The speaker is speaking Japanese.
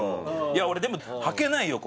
いや俺でも履けないよ